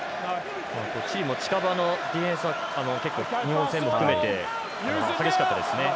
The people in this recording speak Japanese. チーム、近場の選手結構、日本戦も含めて激しかったですね。